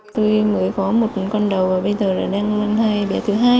tôi mới có một con đầu và bây giờ là đang mang thai bé thứ hai